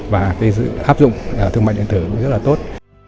và áp dụng thương mại điện thử rất là tốt